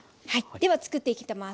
ではつくっていきます。